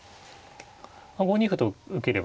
５二歩と受ければね